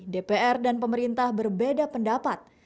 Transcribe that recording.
dpr dan pemerintah berbeda pendapat